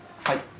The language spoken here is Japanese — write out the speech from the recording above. はい。